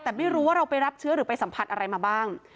แต่ไม่รู้ว่าเราไปรับเชื้อหรือไปสัมผัสอะไรมาบ้าง